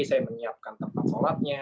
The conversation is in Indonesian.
saya menyiapkan tempat sholatnya